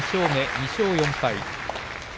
２勝４敗。